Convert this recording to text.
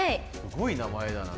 すごい名前だな。